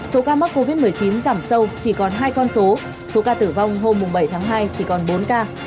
số ca mắc covid một mươi chín giảm sâu chỉ còn hai con số số ca tử vong hôm bảy tháng hai chỉ còn bốn ca